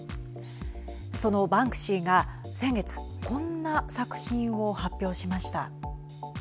そのバンクシーが先月こんな作品を発表しました。